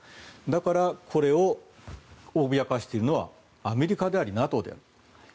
だからこれを脅かしているのはアメリカでありＮＡＴＯであると。